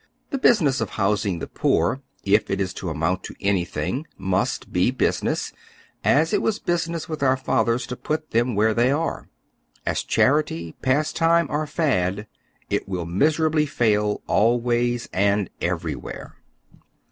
The business of housing the poor, if it is to amount to anything, must be business, as it was business with our fathers to put them where they are. As charity, pastime, or fad, it will miserably fail, always and everywhere.